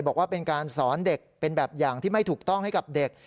บอกว่าเป็นการสอนเด็กเป็นแบบอย่างที่ไม่ถูกต้องให้กับเด็ก